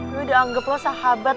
gue udah anggap lo sahabat